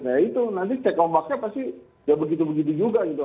nah itu nanti cek ombaknya pasti ya begitu begitu juga gitu